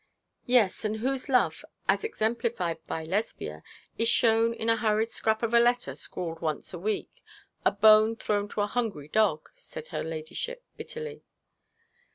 'Yes, and whose love, as exemplified by Lesbia, is shown in a hurried scrap of a letter scrawled once a week a bone thrown to a hungry dog,' said her ladyship, bitterly.